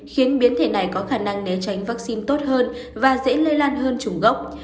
khiến biến thể này có khả năng né tránh vaccine tốt hơn và dễ lây lan hơn chủng gốc